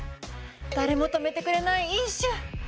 誰も止めてくれない飲酒。